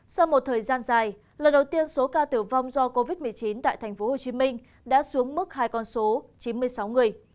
sau một thời gian dài lần đầu tiên số ca tử vong do covid một mươi chín tại tp hcm đã xuống mức hai con số chín mươi sáu người